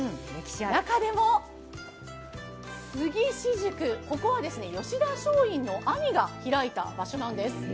中でも杉私塾、ここは吉田松陰の兄が開いた場所なんです。